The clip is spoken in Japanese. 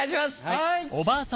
はい。